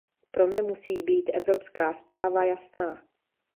Pro mě musí být evropská zpráva jasná.